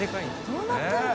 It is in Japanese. どうなってるの？